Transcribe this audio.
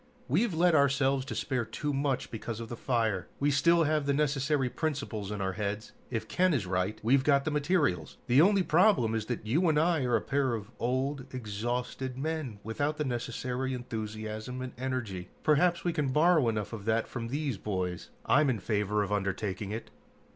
We've let ourselves despair too much because of the fire. We still have the necessary principles in our heads. If Ken is right, we've got the materials. The only problem is that you and I are a pair of old, exhausted men, without the necessary enthusiasm and energy. Perhaps we can borrow enough of that from these boys. I'm in favor of undertaking it!"